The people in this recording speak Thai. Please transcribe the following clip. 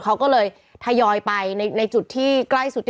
เขาก็เลยทยอยไปในจุดที่ใกล้สุด